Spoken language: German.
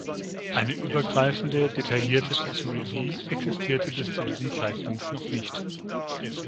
Eine übergreifende, detaillierte Kosmologie existierte bis zu diesem Zeitpunkt noch nicht.